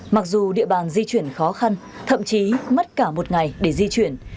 mặc dù địa bàn di chuyển khó khăn thậm chí mất cả một ngày để di chuyển